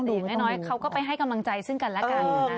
อย่างน้อยเขาก็ไปให้กำลังใจซึ่งกันแล้วกัน